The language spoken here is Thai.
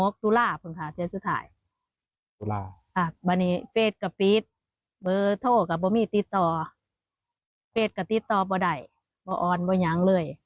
คิดถึงพ่อเหลือเกินแล้ว